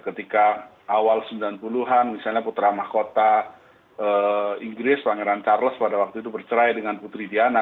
ketika awal sembilan puluh an misalnya putra mahkota inggris pangeran charles pada waktu itu bercerai dengan putri diana